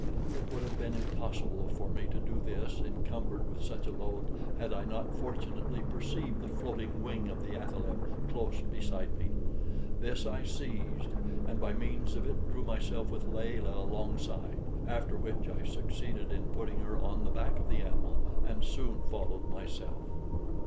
It would have been impossible for me to do this, encumbered with such a load, had I not fortunately perceived the floating wing of the athaleb close beside me. This I seized, and by means of it drew myself with Layelah alongside; after which I succeeded in putting her on the back of the animal, and soon followed myself.